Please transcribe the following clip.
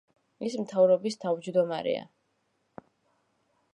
ის მთავრობის თავმჯდომარეა.